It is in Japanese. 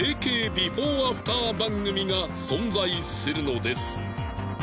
ビフォーアフター番組が存在するのです。